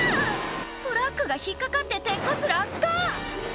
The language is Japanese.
トラックが引っ掛かって鉄骨落下！